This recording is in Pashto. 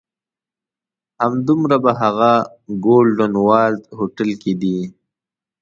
همدومره په هغه "ګولډن والز" هوټل کې دي.